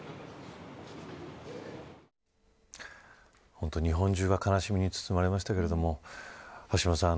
本当に日本中が悲しみに包まれましたけども橋下さん